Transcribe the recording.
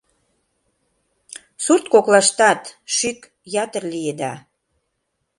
Сурт коклаштат шӱк ятыр лиеда.